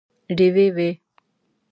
ډیوې وي